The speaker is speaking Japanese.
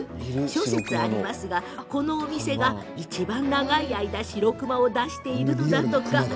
諸説ありますがこのお店がいちばん長い間しろくまを出しているのだとか。